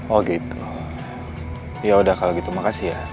oh gitu ya udah kalau gitu makasih ya